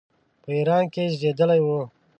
په ایران کې زېږېدلی وو.